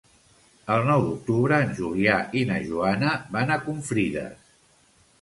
El nou d'octubre en Julià i na Joana van a Confrides.